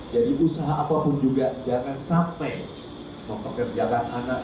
jadi usaha apapun juga jangan sampai memperkerjakan anak